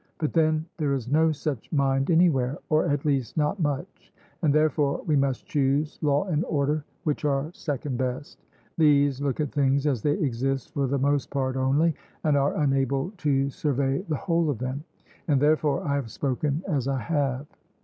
But then there is no such mind anywhere, or at least not much; and therefore we must choose law and order, which are second best. These look at things as they exist for the most part only, and are unable to survey the whole of them. And therefore I have spoken as I have.